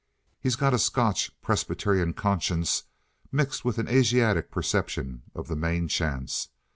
"He's got a Scotch Presbyterian conscience mixed with an Asiatic perception of the main chance."